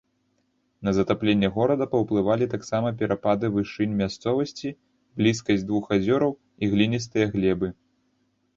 На затапленне горада паўплывалі таксама перапады вышынь мясцовасці, блізкасць двух азёраў і гліністыя глебы.